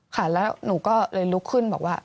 ค่ะแล้วหนูก็เลยลุกขึ้นบอกว่า